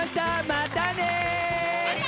またね！